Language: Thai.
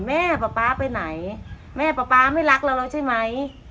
ป๊าป๊าไปไหนแม่ป๊าป๊าไม่รักเราแล้วใช่ไหม